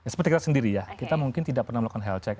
seperti kita sendiri ya kita mungkin tidak pernah melakukan health check